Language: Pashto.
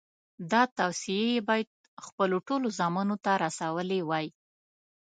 دا توصیې یې باید خپلو ټولو زامنو ته رسولې وای.